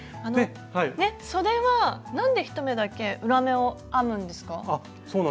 そでは何で１目だけ裏目を編むんですか？